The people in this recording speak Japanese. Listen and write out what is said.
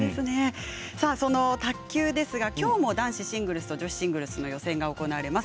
その卓球ですがきょうも男子シングルスと女子シングルスの予選が行われます。